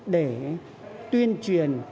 để tuyên truyền